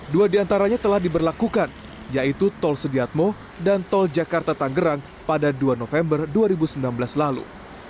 dua diantaranya telah diberlakukan yaitu tol sediatmo dan tol jakarta tanggerang pada dua november dua ribu sembilan belas lalu